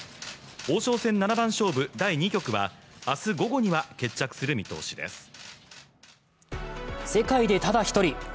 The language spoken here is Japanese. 王将戦七番勝負第２局は、明日午後には決着する見通しです。